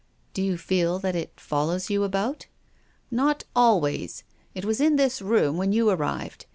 " Do you feel that it follows you about?" " Not always. It was in this room when you arrived.